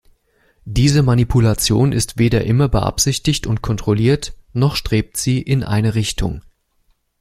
Diese Manipulation ist weder immer beabsichtigt und kontrolliert, noch strebt sie in eine Richtung.